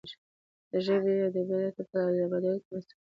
د خپلې ژبې او ادبياتو په بډايتوب کې مرسته وکړي.